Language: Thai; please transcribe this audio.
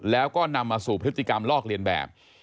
แล้วก็นำมาสู่พฤติกรรมลอกเลียนแบบ